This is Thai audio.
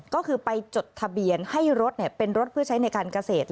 ก็คือไปจดทะเบียนให้รถเป็นรถเพื่อใช้ในการเกษตร